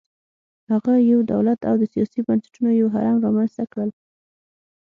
هغه یو دولت او د سیاسي بنسټونو یو هرم رامنځته کړل